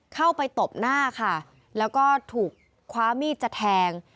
ตบหน้าค่ะแล้วก็ถูกคว้ามีดจะแทง